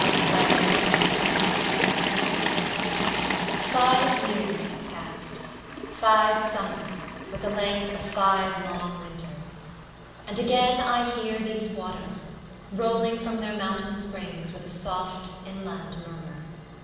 JULY 13, 1798 LINES FIVE years have past; five summers, with the length Of five long winters! and again I hear These waters, rolling from their mountain springs With a soft inland murmur.